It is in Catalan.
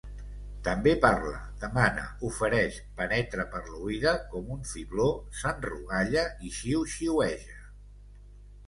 També parla, demana, ofereix, penetra per l'oïda com un fibló, s'enrogalla i xiuxiueja.